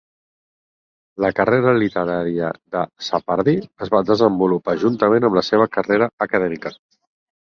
La carrera literària de Sapardi es va desenvolupar juntament amb la seva carrera acadèmica.